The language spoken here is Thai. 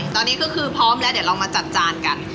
ตอนนี้ก็คือพร้อมแล้วเดี๋ยวเรามาจัดจานกัน